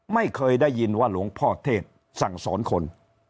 ไม่เคยได้ยินว่าหลวงพ่อเทศสั่งสอนคน